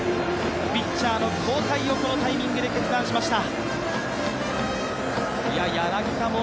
ピッチャーの交代をこのタイミングで決断しました。